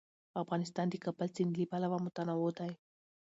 افغانستان د د کابل سیند له پلوه متنوع دی.